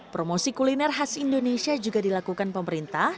promosi kuliner khas indonesia juga dilakukan pemerintah